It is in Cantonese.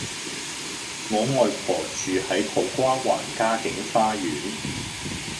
我外婆住喺土瓜灣嘉景花園